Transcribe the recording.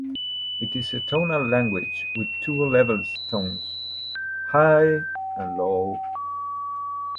It is a tonal language with two level tones, High and Low.